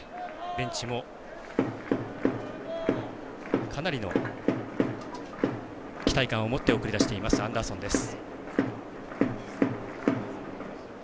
ベンチもかなりの期待感を持って送り出していますアンダーソンです。